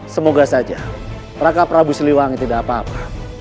semoga saja raga prabu siliwangi tidak apa apa